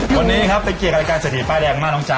วันนี้ครับเป็นเกียรติกับรายการเศรษฐีป้ายแดงมากน้องจ๊